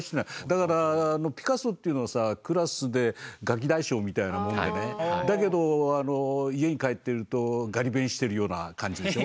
だからピカソというのはさクラスでガキ大将みたいなものでねだけどあの家に帰ってるとガリ勉してるような感じでしょ。